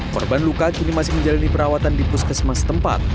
korban luka kini masih menjalani perawatan di puskesmas tempat